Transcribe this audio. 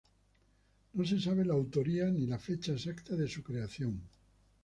No se sabe la autoría ni la fecha exacta de su creación.